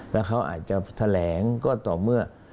แล้วเขาอาจจะแถลงก็ต่อเมื่อ